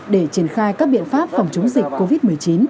để triển khai các biện pháp phòng chống dịch covid một mươi chín